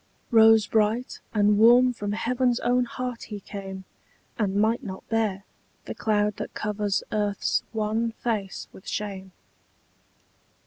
Rose bright and warm from heaven's own heart he came, And might not bear The cloud that covers earth's wan face with shame.